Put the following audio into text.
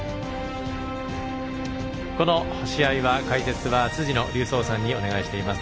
この試合は解説は辻野隆三さんにお願いしています。